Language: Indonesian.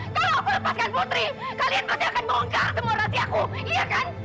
kalau aku lepaskan putri kalian pasti akan bongkar semua rahasiaku iya kan